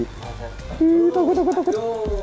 ih takut takut takut